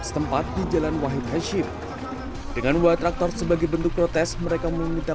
setempat di jalan wahid hasyim dengan wadah traktor sebagai bentuk protes mereka meminta